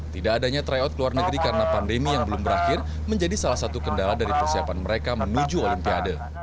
tidak adanya tryout ke luar negeri karena pandemi yang belum berakhir menjadi salah satu kendala dari persiapan mereka menuju olimpiade